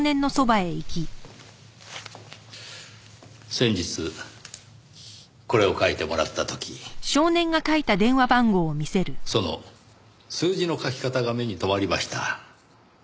先日これを書いてもらった時その数字の書き方が目に留まりました。